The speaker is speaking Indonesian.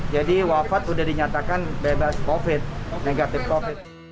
jadi wafat udah dinyatakan bebas covid negatif covid